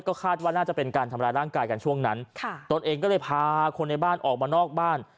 ก็คาดว่าน่าจะเป็นการทำร้ายร่างกายกันช่วงนั้นค่ะตนเองก็เลยพาคนในบ้านออกมานอกบ้าน